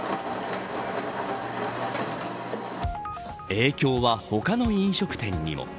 影響は他の飲食店にも。